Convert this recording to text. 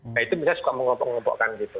nah itu bisa suka mengelompokkan gitu